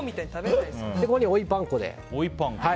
ここに追いパン粉で。